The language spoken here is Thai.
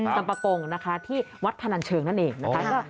สัมปะกงนะคะที่วัดพนันเชิงนั่นเองนะคะ